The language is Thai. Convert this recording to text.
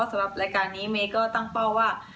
ในรายการนี้เมก็ตั้งเป้าว่า